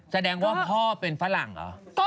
แสดงว่าพ่อเป็นฝรั่งเหรอ